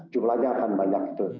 jumlahnya akan banyak